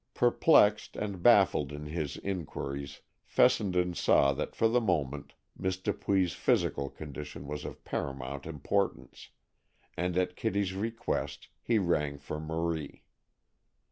Perplexed and baffled in his inquiries, Fessenden saw that for the moment Miss Dupuy's physical condition was of paramount importance, and at Kitty's request he rang for Marie.